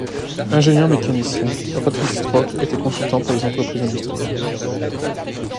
Ingénieur mécanicien, Rautenstrauch était consultant pour des entreprises industrielles.